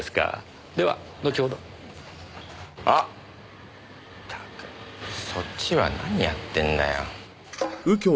ったくそっちは何やってんだよ。